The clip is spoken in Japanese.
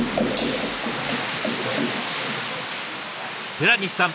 寺西さん